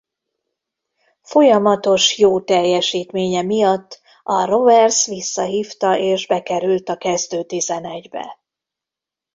Folyamatos jó teljesítménye miatt a Rovers visszahívta és bekerült a kezdő tizenegybe.